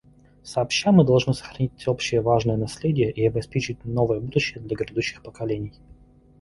Сообща мы должны сохранить общее важное наследие и обеспечить новое будущее для грядущих поколений.